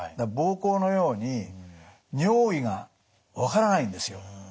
膀胱のように尿意が分からないんですよ。